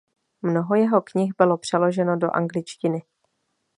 Mnoho jeho knih bylo přeloženo do angličtiny.